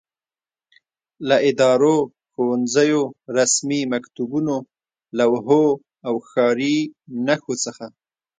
له ادارو، ښوونځیو، رسمي مکتوبونو، لوحو او ښاري نښو څخه